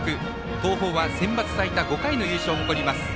東邦はセンバツ最多５回の優勝を誇ります。